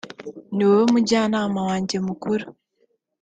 ni wowe mujyanama wanjye mukuru